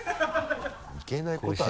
いけないことはない。